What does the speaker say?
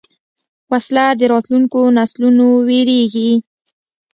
وسله د راتلونکو نسلونو وېرېږي